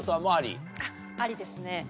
ありですね。